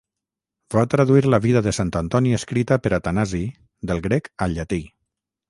Va traduir la vida de Sant Antoni escrita per Atanasi, del grec al llatí.